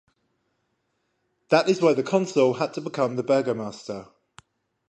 That is why the consul had to become the burgomaster.